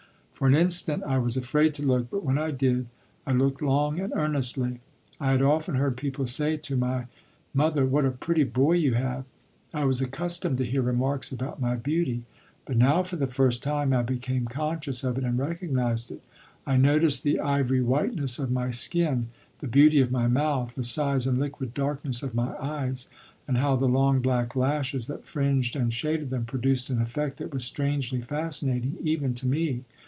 For an instant I was afraid to look, but when I did, I looked long and earnestly. I had often heard people say to my mother: "What a pretty boy you have!" I was accustomed to hear remarks about my beauty; but now, for the first time, I became conscious of it and recognized it. I noticed the ivory whiteness of my skin, the beauty of my mouth, the size and liquid darkness of my eyes, and how the long, black lashes that fringed and shaded them produced an effect that was strangely fascinating even to me.